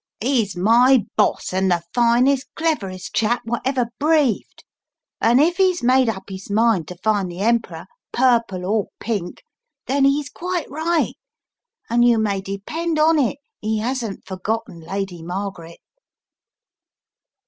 "He's my boss, and the finest, cleverest chap wot ever breathed, an' if 'e's made up his mind to find the Emperor, purple or pink, then 'e's quite right, and you may depend on it he hasn't forgotten Lady Margaret."